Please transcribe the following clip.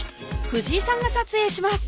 藤井さんが撮影します